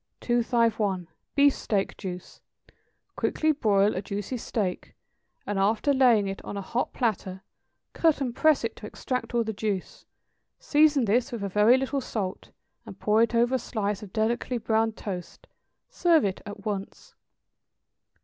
251. =Beefsteak Juice.= Quickly broil a juicy steak, and after laying it on a hot platter, cut and press it to extract all the juice; season this with a very little salt, and pour it over a slice of delicately browned toast; serve it at once.